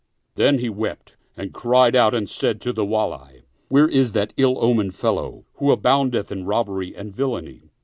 " Then he wept and cried out and said to the Wall, " Where is that ill omened fellow, who aboundeth in robbery and villainy?"